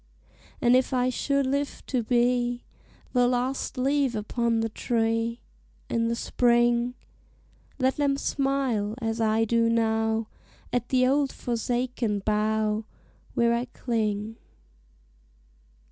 And if I should live to be The last leaf upon the tree In the spring, Let them smile, as I do now, At the old forsaken bough Where I cling.